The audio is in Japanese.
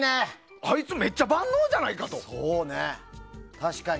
あいつめっちゃ万能じゃないかと。